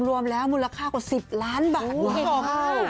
รวมแล้วมูลค่ากว่าสิบล้านบาท